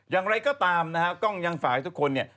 อย่างไรก็ตามนะฮะกล้องยังฝากให้ทุกคนเนี่ย